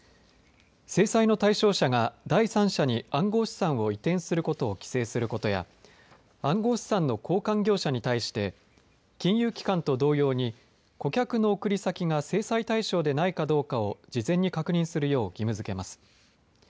制裁の対象者が第三者に暗号資産を移転することを規制することや暗号資産の交換業者に対して金融機関と同様に顧客の送り先が制裁対象でないかどうかを事前に確認するよう義務づけます。